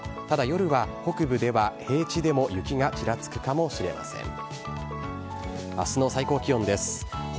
ただ、夜は北部では平地でも雪がちらつくかもしれません。